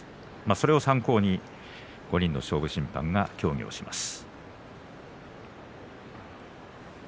それを参考に５人の勝負審判が協議します。